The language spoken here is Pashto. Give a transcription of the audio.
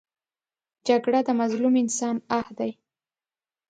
جګړه د مظلوم انسان آه دی